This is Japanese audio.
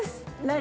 何？